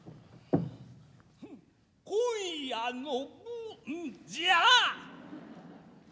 今夜の分じゃ。